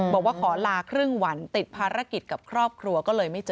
บอกว่าขอลาครึ่งวันติดภารกิจกับครอบครัวก็เลยไม่เจอ